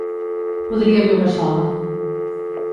Podria viure sola.